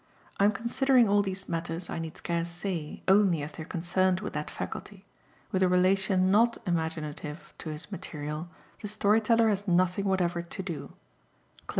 (I am considering all these matters, I need scarce say, only as they are concerned with that faculty. With a relation NOT imaginative to his material the storyteller has nothing whatever to do.)